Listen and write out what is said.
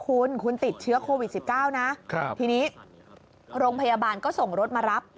คุณคุณติดเชื้อโควิด๑๙นะทีนี้โรงพยาบาลก็ส่งรถมารับ